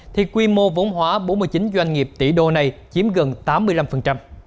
thì quy mô vốn hóa bốn mươi chín doanh nghiệp tỷ đô này chiếm gần tám mươi năm